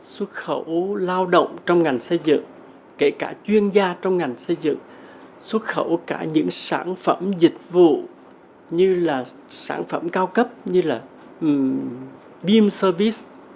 xuất khẩu lao động trong ngành xây dựng kể cả chuyên gia trong ngành xây dựng xuất khẩu cả những sản phẩm dịch vụ như là sản phẩm cao cấp như là bim sevis